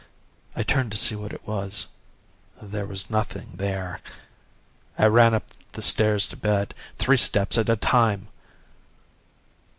I turned to see what it was there was nothing there. I ran up the stairs to bed, three steps at a time!